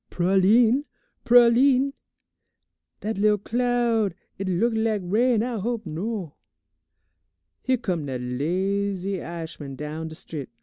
"Pralines, pralines! Dat lil' cloud, h'it look lak' rain, I hope no. "Here come dat lazy I'ishman down de strit.